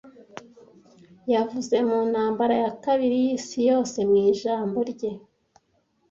Yavuze mu Ntambara ya Kabiri y'Isi Yose mu ijambo rye.